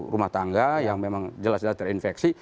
rumah tangga yang memang jelas jelas terinfeksi